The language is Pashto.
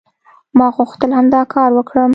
ما غوښتل همدا کار وکړم".